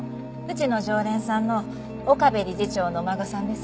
うちの常連さんの岡部理事長のお孫さんです。